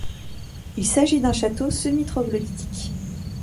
Il s'agit d'un château semi-troglodytique.